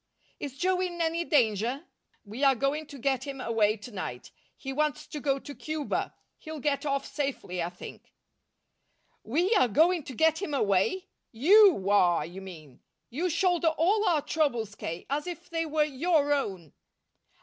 "Is Joe in any danger?" "We are going to get him away to night. He wants to go to Cuba. He'll get off safely, I think." "WE are going to get him away! YOU are, you mean. You shoulder all our troubles, K., as if they were your own."